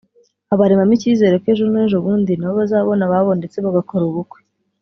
abaremamo icyizere ko ejo n’ejobundi nabo bazabona ababo ndetse bagakora ubukwe